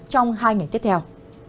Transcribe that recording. trong hai ngày tiếp theo